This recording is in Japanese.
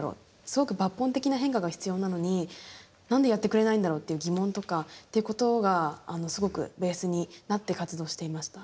すごく抜本的な変化が必要なのに何でやってくれないんだろう？っていう疑問とかっていうことがすごくベースになって活動していました。